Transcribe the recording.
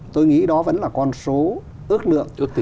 tôi nghĩ đó vẫn là con số ước lượng